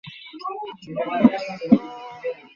আরে পিছনে যা, শ্লা।